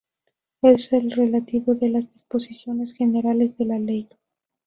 Es el relativo a las disposiciones generales de la Ley.